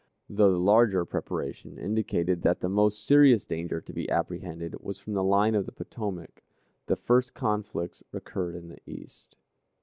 Though the larger preparation indicated that the most serious danger to be apprehended was from the line of the Potomac, the first conflicts occurred in the east.